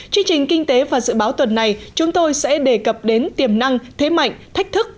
chương trình kinh tế và dự báo tuần này chúng tôi sẽ đề cập đến tiềm năng thế mạnh thách thức